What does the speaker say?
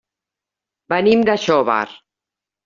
Venim de Xóvar.